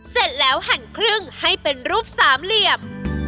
เสร็จแล้วหั่นครึ่งให้เป็นรูปสามเหลี่ยม